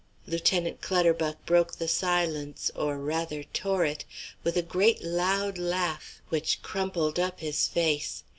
Lieutenant Clutterbuck broke the silence, or rather tore it, with a great loud laugh which crumpled up his face.